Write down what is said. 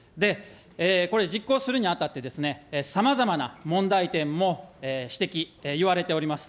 これ、実行するにあたって、さまざまな問題点も指摘、言われております。